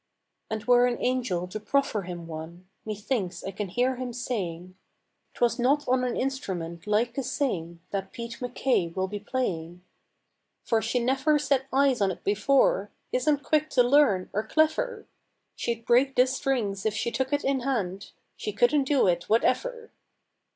And were an angel to proffer him one, Methinks I can hear him saying: "'Twas not on an instrument like the same That Pete MacKay will be playing, "For she neffer set eyes on it before, Isn't quick to learn, or cleffer; She'd break the strings if she took it in hand, She couldn't do it, whateffer.